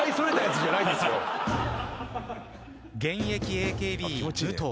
現役ＡＫＢ武藤。